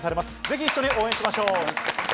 ぜひ一緒に応援しましょう。